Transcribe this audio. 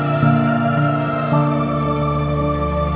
aku mau denger